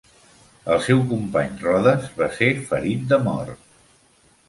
El seu company Rodes va ser ferit de mort.